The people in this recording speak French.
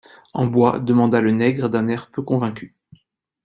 En bois demanda le nègre d’un air peu convaincu.